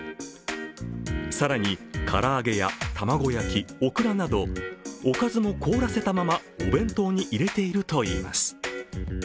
更に、唐揚げや玉子焼き、オクラなどおかずも凍らせたままお弁当に入れているといいます。